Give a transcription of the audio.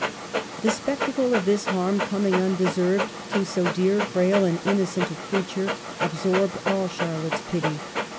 The spectacle of this harm, coming undeserved to so dear, frail, and innocent a creature, absorbed all Charlotte's pity.